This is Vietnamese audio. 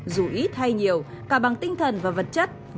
dù ít thay nhiều cả bằng tinh thần và vật chất